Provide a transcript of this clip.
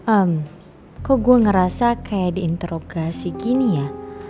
em kok gue ngerasa kayak diinterogasi gini ya